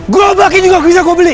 gerobaknya juga bisa gua beli